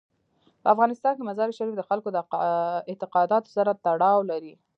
په افغانستان کې مزارشریف د خلکو د اعتقاداتو سره تړاو لري.